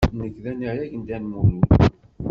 Nekk d anarag n Dda Lmulud.